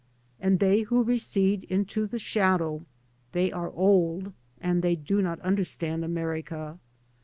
And they who recede into the shadow, they are old, and they do not under stand America.